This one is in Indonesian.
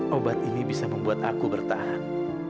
obat ini bisa membuat aku bertahan